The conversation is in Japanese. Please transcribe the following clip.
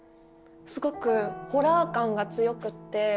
すごくホラー感が強くって。